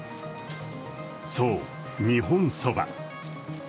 そう、日本そば。